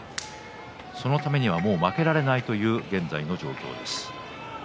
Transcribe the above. そのためには、もう負けられないという現在の状況です。